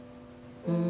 うん。